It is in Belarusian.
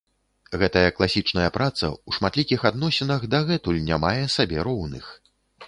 Гэтая класічная праца ў шматлікіх адносінах дагэтуль не мае сабе роўных.